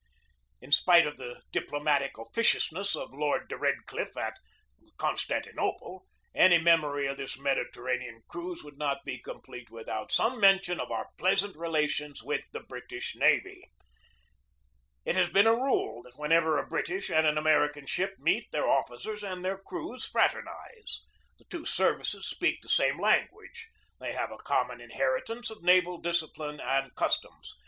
In spite of the diplomatic officiousness of Lord de Redcliffe at Constantinople, any memory of this Mediterranean cruise would not be complete with out some mention of our pleasant relations with the British Navy. It has been a rule that wherever a British and an American ship meet their officers and their crews fraternize. The two services speak the same language; they have a common inheritance of naval discipline and customs.